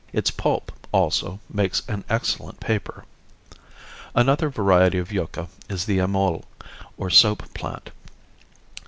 Its pulp, also, makes an excellent paper. Another variety of yucca is the amole, or soap plant.